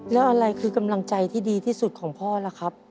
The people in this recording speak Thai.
แล้วอะไรคือกำลังใจที่ดีที่สุดของพ่อล่ะครับ